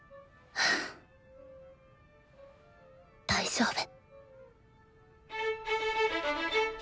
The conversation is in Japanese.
大丈夫。